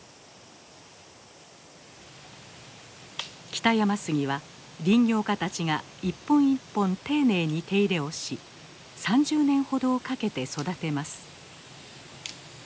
北山杉は林業家たちが一本一本丁寧に手入れをし３０年ほどをかけて育てます。